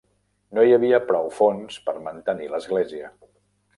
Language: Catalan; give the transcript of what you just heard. No hi havia prou fons per mantenir l'església.